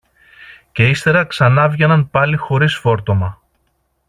και ύστερα ξανάβγαιναν πάλι χωρίς φόρτωμα